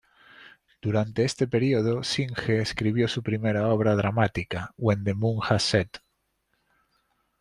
Durante este período, Synge escribió su primera obra dramática, "When the Moon has Set".